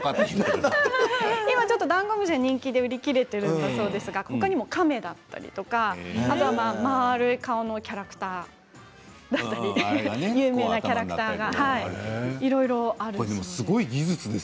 ダンゴムシは人気で売り切れていますが亀だったり丸い顔のキャラクターだったり有名なキャラクターだったりいろいろあるそうです。